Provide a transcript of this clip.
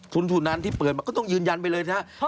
คุณสุนันที่เปิดมาก็ต้องยืนยันไปเลยนะครับ